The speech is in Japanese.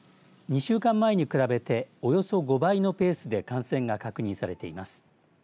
２週間前に比べておよそ５倍のペースで感染が確認されています。